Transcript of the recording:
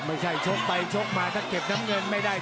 ไม่ใช่ชกไปจะชกมาถ้าเข็บน้ำเงินไม่ได้